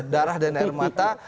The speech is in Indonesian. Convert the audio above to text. darah dan air mata